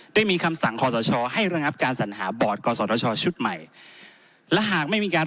ได้มีคำสั่งคศให้ระงับการสรรหาบอร์ดชชชุดใหม่